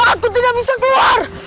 aku tidak bisa keluar